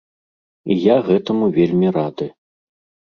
І я гэтаму вельмі рады.